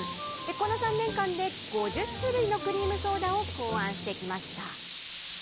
この３年間で５０種類のクリームソーダを考案してきました。